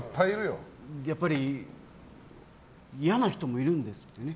やっぱり嫌な人もいるんですってね。